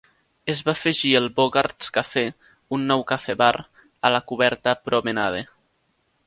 Es va afegir el "Bogart's Cafe", un nou cafè bar, a la coberta Promenade.